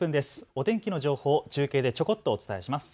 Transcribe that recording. お天気の情報を中継でちょこっとお伝えします。